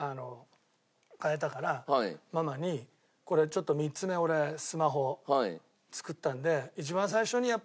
変えたからママに「これちょっと３つ目俺スマホ作ったんで」。